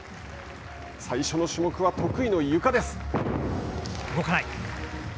最初の種目は得意のゆかです。